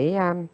đo gọi là gì